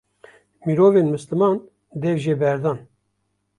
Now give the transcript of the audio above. mirovên misliman dev jê berdan.